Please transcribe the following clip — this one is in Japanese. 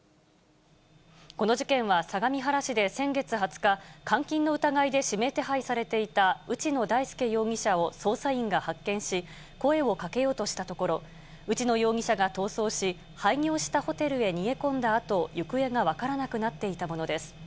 この事件は相模原市で先月２０日、監禁の疑いで指名手配されていた内野大輔容疑者を捜査員が発見し、声をかけようとしたところ、内野容疑者が逃走し、廃業したホテルへ逃げ込んだあと、行方が分からなくなっていたものです。